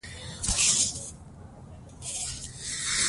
که ماري کوري خپل څېړنیز وسایل پاک نه کړي، نتیجه به تېروتنه وي.